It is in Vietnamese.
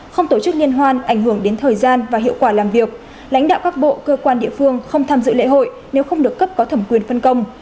không tổ chức liên hoan ảnh hưởng đến thời gian và hiệu quả làm việc lãnh đạo các bộ cơ quan địa phương không tham dự lễ hội nếu không được cấp có thẩm quyền phân công